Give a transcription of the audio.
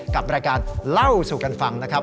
กับรายการเล่าสู่กันฟังนะครับ